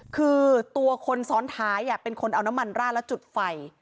คือตัวคนซ้อนท้ายเป็นคนเอาน้ำมันราดแล้วจุดไฟ